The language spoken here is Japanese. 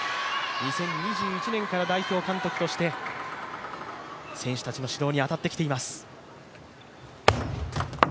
２０２１年から代表監督として選手たちの指導に当たってきています。